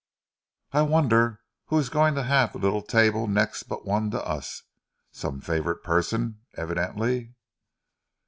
I wonder who is going to have the little table next but one to us. Some favoured person, evidently."